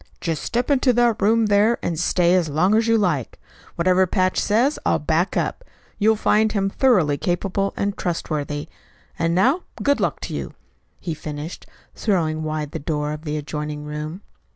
"Just step into that room there and stay as long as you like. Whatever Patch says I'll back up. You'll find him thoroughly capable and trustworthy. And now good luck to you," he finished, throwing wide the door of the adjoining room.